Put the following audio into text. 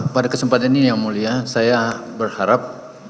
pada kesempatan ini yang mulia saya berharap